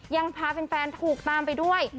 ยังพาแฟนถูกตามไปด้วย